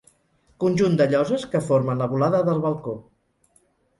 Conjunt de lloses que formen la volada del balcó.